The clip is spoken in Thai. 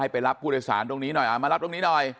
ไปรับผู้โดยสารตรงนี้หน่อยมารับตรงนี้หน่อย